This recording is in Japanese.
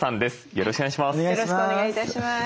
よろしくお願いします。